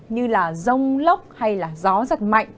như là rông lốc hay là gió giật mạnh